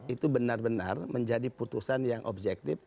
itu benar benar menjadi putusan yang objektif